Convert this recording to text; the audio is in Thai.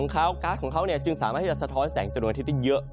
กักของเขาจึงสามารถที่จะสะท้อนแสงจุดเงินที่ที่เยอะ